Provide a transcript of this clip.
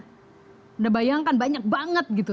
anda bayangkan banyak banget gitu